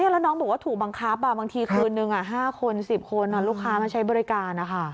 แล้วน้องบอกว่าถูกบังคับบางทีคืนนึง๕คน๑๐คนลูกค้ามาใช้บริการ